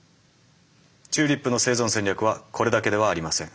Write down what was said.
チューリップの生存戦略はこれだけではありません。